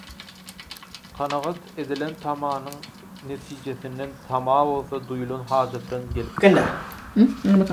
Kanagat, edilen tamanyň netijesinden, tama bolsa duýulan hajatdan gelip çykýar.